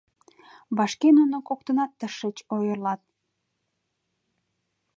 Вашке нуно коктынат тышеч ойырлат.